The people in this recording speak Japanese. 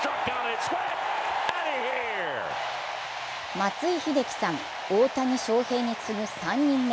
松井秀喜さん、大谷翔平に次ぐ３人目。